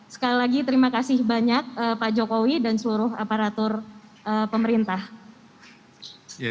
sekali lagi terima kasih banyak pak jokowi dan seluruh aparatur pemerintah